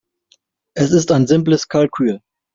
Es ist ein simples Kalkül.